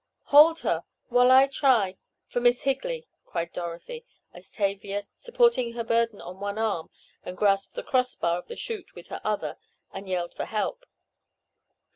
"Hold her—while I try—for Miss Higley!" cried Dorothy, as Tavia, supporting her burden on one arm and grasped the cross bar of the chute with her other and yelled for help.